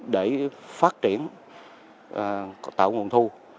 để phát triển tạo nguồn thu